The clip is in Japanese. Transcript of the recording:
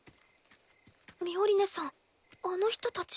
ミオリネさんあの人たち。